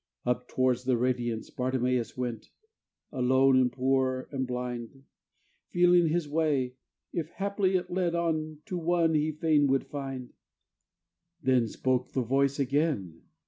Up towards the Radiance Bartimeus went, Alone, and poor, and blind Feeling his way, if haply it led on To One he fain would find. Then spoke the Voice again.